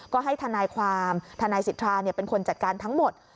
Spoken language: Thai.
ก็ให้ทนายความทนายสิทธาเป็นคนจัดการทั้งหมด